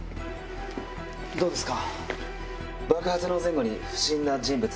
どうですか？